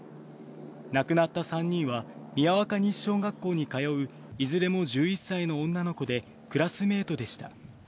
亡くなった３人は、宮若西小学校に通ういずれも１１歳の女の子で、クラスメートでした。